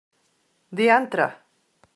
Diantre!